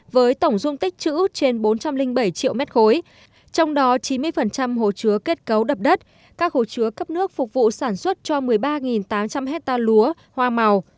với tổng dung tích chữ trên bốn trăm linh bảy triệu m ba trong đó chín mươi hồ chứa kết cấu đập đất các hồ chứa cấp nước phục vụ sản xuất cho một mươi ba tám trăm linh hectare lúa hoa màu